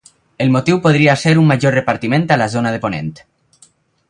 El motiu podria ser un major repartiment a la zona de Ponent.